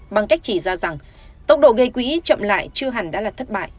bằng cách chỉ ra rằng tốc độ gây quỹ chậm lại chưa hẳn đã là thất bại